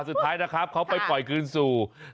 อ่าสุดท้ายนะครับเขาไปปล่อยคืนสู่ธรรมชาตินะ